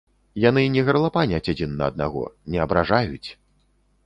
Яны не гарлапаняць адзін на аднаго, не абражаюць!